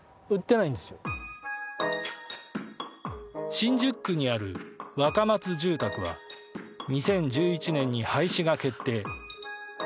新宿区にある若松住宅は２０１１年に廃止が決定。